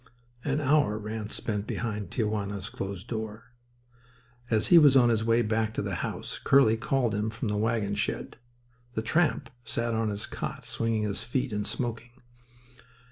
An hour Ranse spent behind Tia Juana's closed door. As he was on his way back to the house Curly called to him from the wagon shed. The tramp sat on his cot, swinging his feet and smoking.